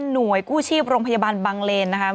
หน่วยกู้ชีพโรงพยาบาลบังเลนนะคะ